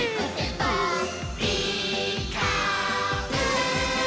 「ピーカーブ！」